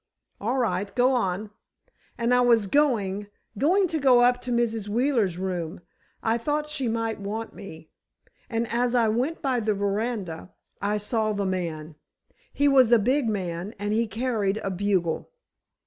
"All right, go on." "And I was going—going to go up to Mrs. Wheeler's room. I thought she might want me. And as I went by the veranda, I saw the man. He was a big man, and he carried a bugle."